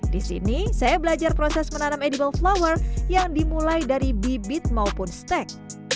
di sini saya belajar proses menanam edible flower yang dimulai dari bibit maupun stek